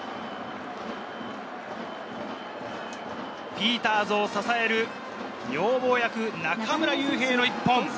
ピーターズを支える女房役・中村悠平の１本。